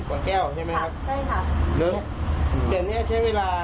ผมก็เดินคังกูไบก็เพิ่งแยกขายได้